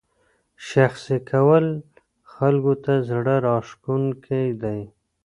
شخصي کول خلکو ته زړه راښکونکی دی.